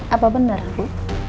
apa benar bu